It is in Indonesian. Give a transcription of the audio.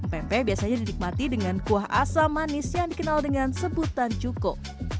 pempek biasanya didikmati dengan kuah asam manis yang dikenal dengan sebutan cukup